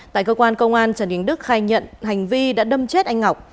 tại cơ quan công an trần đình đức khai nhận hành vi đã đâm chết anh ngọc